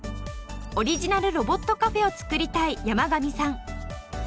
オリジナルロボットカフェをつくりたい山上さん。